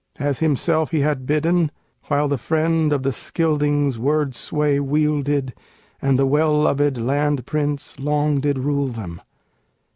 As himself he had bidden, while the friend of the Scyldings Word sway wielded, and the well lovèd land prince Long did rule them.